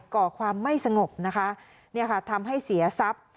ก่อความไม่สงบนะคะเนี่ยค่ะทำให้เสียทรัพย์